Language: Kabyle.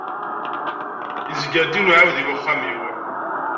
Yezger-d yiwen uɛudiw axxam-iw.